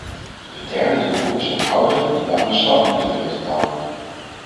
De derde doelgroep zijn ouderen die we aan de slag moeten weten te houden.